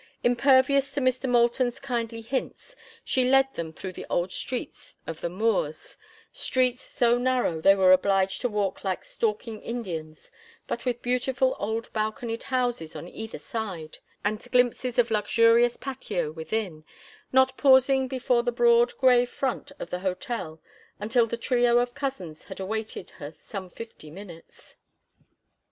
Impervious to Mr. Moulton's kindly hints, she led them through the old streets of the Moors, streets so narrow they were obliged to walk like stalking Indians, but with beautiful old balconied houses on either side, and glimpses of luxurious patio within; not pausing before the broad gray front of the hotel until the trio of cousins had awaited her some fifty minutes.